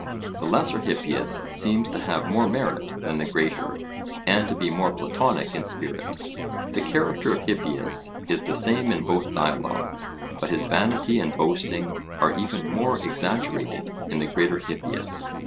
The Lesser Hippias seems to have more merit than the Greater, and to be more Platonic in spirit. The character of Hippias is the same in both dialogues, but his vanity and boasting are even more exaggerated in the Greater Hippias.